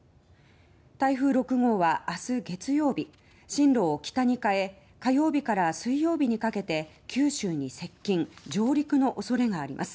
台風６号はあす月曜日進路を北に変え火曜日から水曜日にかけて九州に接近上陸の恐れがあります。